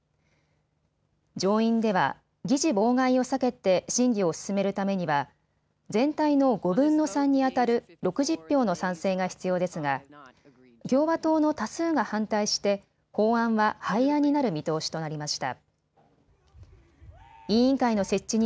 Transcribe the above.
上院では議事妨害を避けて審議を進めるためには全体の５分の３にあたる６０票の賛成が必要ですが共和党の多数が反対して法案は廃案になる見通しとなりました。